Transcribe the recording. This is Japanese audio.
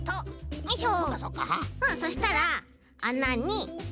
よいしょ。